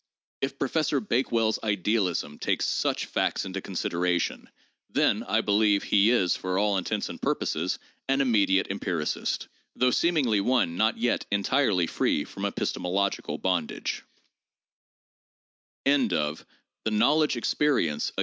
If Professor Bakewell's idealism takes such facts into consideration, then, I believe, he is, for all intents and pur poses, an immediate empiricist, though seemingly one not yet entirely free from epistemological bondage.